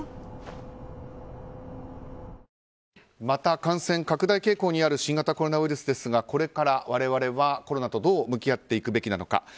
また感染拡大傾向にある新型コロナウイルスですがこれから我々はコロナとどう向き合っていくべきなのか。